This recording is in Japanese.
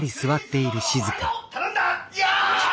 頼んだ！